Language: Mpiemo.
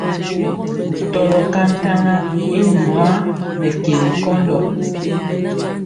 Tɔlɔ ka ntaŋa i nwaa nɛ keli nkɔndɔ.